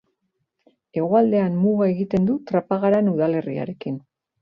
Hegoaldean muga egiten du Trapagaran udalerriarekin.